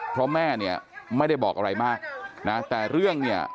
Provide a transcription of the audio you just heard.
เพราะแม่เนี่ยไม่ได้บอกอะไรมากนะแต่เรื่องเนี่ย